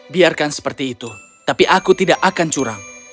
biarkan seperti itu tapi aku tidak akan curang